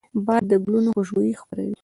باد د ګلونو خوشبويي خپروي